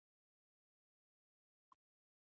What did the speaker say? ژبه د فکرونو انعکاس ده.